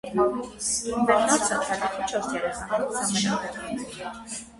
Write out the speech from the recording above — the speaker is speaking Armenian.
Բեդնորցը ընտանիքի չորս երեխաներից ամենափոքր էր։